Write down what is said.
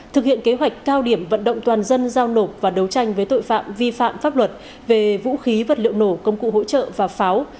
thực hiện kế hoạch cao điểm vận động toàn dân giao nộp và đấu tranh với tội phạm vi phạm pháp luật về vũ khí vật liệu nổ công cụ hỗ trợ và pháo